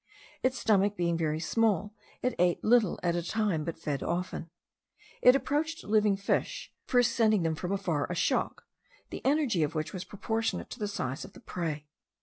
Its stomach being very small, it ate little at a time, but fed often. It approached living fish, first sending them from afar a shock, the energy of which was proportionate to the size of the prey.